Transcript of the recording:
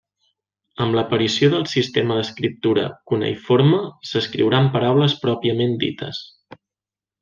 Amb l'aparició del sistema d'escriptura cuneïforme, s'escriuran paraules pròpiament dites.